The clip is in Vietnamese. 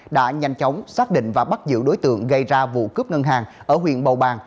đã nhanh chóng xác định và bắt giữ đối tượng gây ra vụ cướp ngân hàng ở huyện bầu bàng